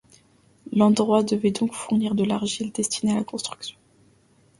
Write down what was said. L'endroit devait donc fournir de l'argile destiné à la construction.